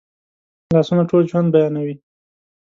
لاسونه ټول ژوند بیانوي